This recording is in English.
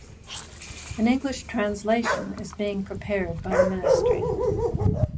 An English translation is being prepared by the Ministry.